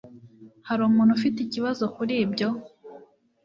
Hari umuntu ufite ikibazo kuri ibyo?